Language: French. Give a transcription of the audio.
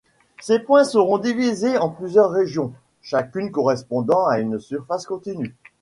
Ces points seront divisés en plusieurs régions, chacune correspondant à une surface continue.